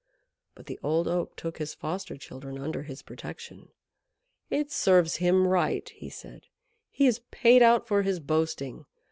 But the Old Oak took his foster children under his protection. "It serves him right," he said. "He is paid out for his boasting.